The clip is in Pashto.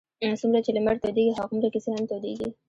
څومره چې لمر تودېږي هغومره کیسې هم تودېږي.